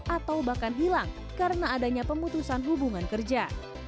atau bahkan hilang karena adanya pemutusan hubungan kerja